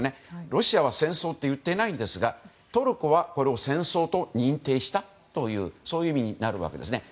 ロシアは戦争と言っていませんがトルコはこれを戦争と認定したというそういう意味になるわけですね。